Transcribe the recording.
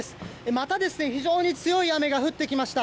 また非常に強い雨が降ってきました。